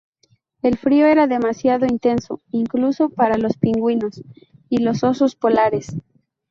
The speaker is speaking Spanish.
El frío era demasiado intenso incluso para los pingüinos y los osos polares.